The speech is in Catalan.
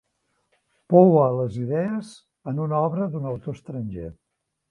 Poua les idees en una obra d'un autor estranger.